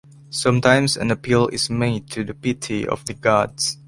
Sometimes an appeal is made to the pity of the gods.